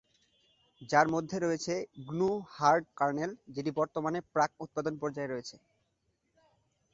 যার মধ্যে রয়েছে, গ্নু হার্ড কার্নেল, যেটি বর্তমানে প্রাক উৎপাদন পর্যায়ে রয়েছে।